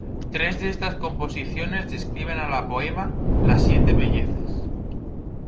Tres de estas composiciones describen a la poema "Las siete bellezas".